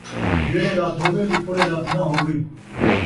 جھیڑے رات ہووے ، وِچھوڑے رات ناں ہووے